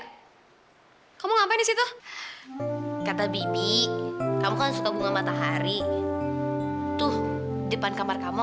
hai kamu ngapain disitu kata bibi kamu kan suka bunga matahari tuh depan kamar kamu